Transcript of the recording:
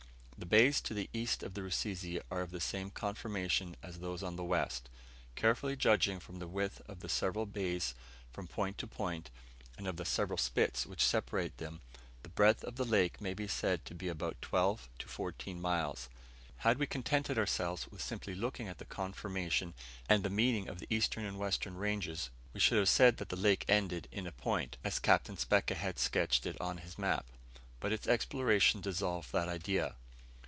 The bays to the east of the Rusizi are of the same conformation as those on the west. Carefully judging from the width of the several bays from point to point, and of the several spits which separate them, the breadth of the lake may be said to be about twelve or fourteen miles. Had we contented ourselves with simply looking at the conformation, and the meeting of the eastern and western ranges, we should have said that the lake ended in a point, as Captain Speke has sketched it on his map. But its exploration dissolved that idea.